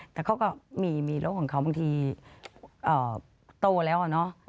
แต่เขาก็มีโรคของเขาบางทีโตแล้วอะเนาะ